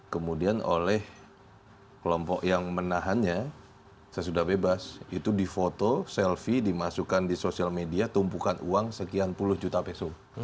kemudian oleh kelompok yang menahannya sesudah bebas itu di foto selfie dimasukkan di sosial media tumpukan uang sekian puluh juta peso